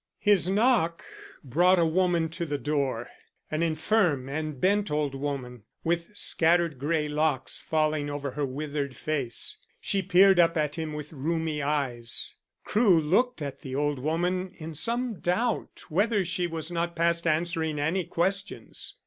His knock brought a woman to the door an infirm and bent old woman, with scattered grey locks falling over her withered face. She peered up at him with rheumy eyes. Crewe looked at the old woman in some doubt whether she was not past answering any questions.